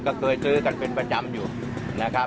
ก็เคยซื้อกันเป็นประจำอยู่นะครับ